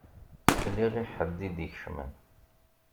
Sliɣ i ḥedd i d-ikecmen.